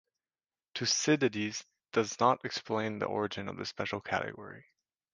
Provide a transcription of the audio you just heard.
Tucídides does not explain the origin of this special category.